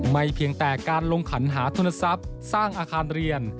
เพียงแต่การลงขันหาทุนทรัพย์สร้างอาคารเรียน